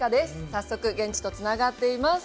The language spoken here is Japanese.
早速現地とつながっています。